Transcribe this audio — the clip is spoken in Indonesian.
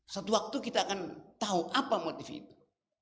satu waktu kita akan tahu apa motif itu